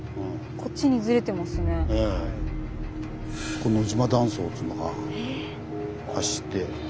ここ野島断層っつうのが走って。